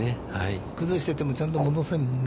崩しててもちゃんと戻せるね。